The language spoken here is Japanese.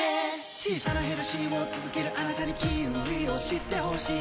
小さなヘルシーを続けるあなたにキウイを知ってほしい